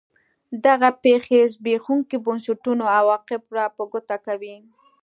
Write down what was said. دغه پېښې زبېښونکو بنسټونو عواقب را په ګوته کوي.